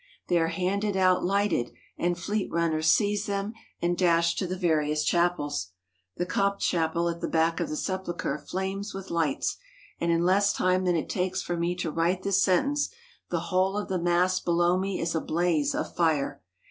They are handed out lighted, and fleet runners seize them and dash to the various chapels. The Copt chapel at the back of the Sepulchre flames with lights, and in less time than it takes for me to write this sentence, the whole of the mass below me is a blaze of fire.